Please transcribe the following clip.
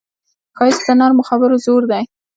ښایست د نرمو خبرو زور دی